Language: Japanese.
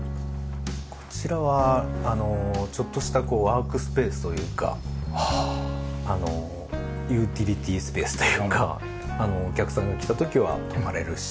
こちらはあのちょっとしたワークスペースというかあのユーティリティースペースというかお客さんが来た時は泊まれるし。